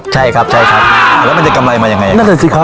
ใช่ครับแล้วมันจะกำไรมายังไง